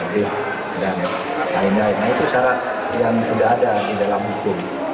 dan lain lain itu syarat yang sudah ada di dalam hukum